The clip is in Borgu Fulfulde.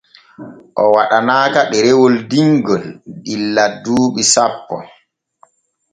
O waɗanaaka ɗerewol dimgil illa duuɓi sappo.